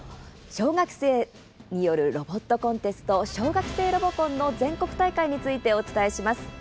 小学生によるロボットコンテスト小学生ロボコンの全国大会についてお伝えします。